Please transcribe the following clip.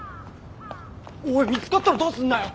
おい見つかったらどうすんだよ！